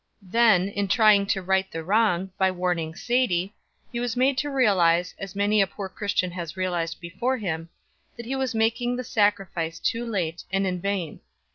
Then, in trying to right the wrong, by warning Sadie, he was made to realize, as many a poor Christian has realized before him, that he was making the sacrifice too late, and in vain.